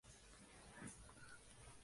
Dicho año fue elegido secretario general.